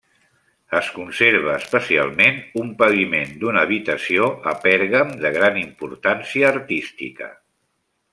Es conserva especialment un paviment d'una habitació a Pèrgam de gran importància artística.